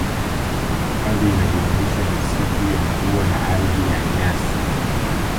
Hifadhi inajumuisha misitu ya mvua na ardhi ya nyasi n